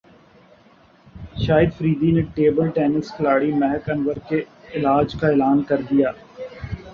شاہد فریدی نے table tennis کھلاڑی مہک انور کے علاج کا اعلان کردیا